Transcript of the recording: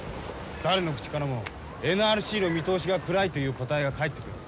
誰の口からもＮＲＣの見通しが暗いという答えが返ってくる。